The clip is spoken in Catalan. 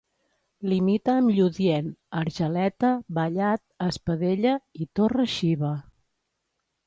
Limita amb Lludient, Argeleta, Vallat, Espadella i Torre-xiva.